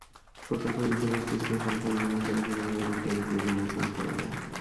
প্রকল্পের বিষয়বস্তু ছিল, স্বল্প বিনিয়োগ দ্বারা কীভাবে অধিক দারিদ্র্য বিমোচন করা যায়।